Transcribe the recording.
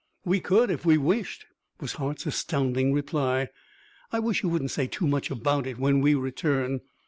"We could, if we wished," was Hart's astounding reply; "I wish you wouldn't say too much about it when we return.